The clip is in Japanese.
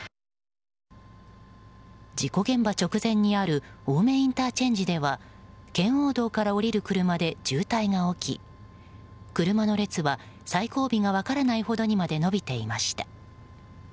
事故現場直前にある青梅ＩＣでは圏央道から降りる車で渋滞が起き車の列は、最後尾が分からないほどにまで伸びていました。